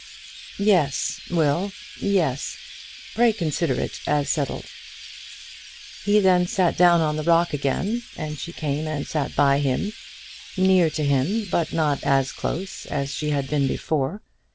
"Yes, Will, yes. Pray consider it as settled." He then sat down on the rock again, and she came and sat by him, near to him, but not close as she had been before.